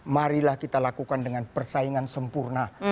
marilah kita lakukan dengan persaingan sempurna